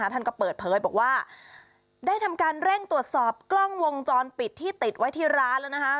ท่านก็เปิดเผยบอกว่าได้ทำการเร่งตรวจสอบกล้องวงจรปิดที่ติดไว้ที่ร้านแล้ว